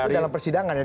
itu dalam persidangan ya